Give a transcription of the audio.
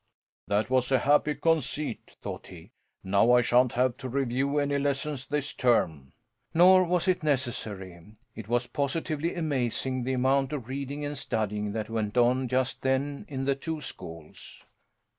"That was a happy conceit," thought he. "Now I shan't have to review any lessons this term." Nor was it necessary. It was positively amazing the amount of reading and studying that went on just then in the two schools!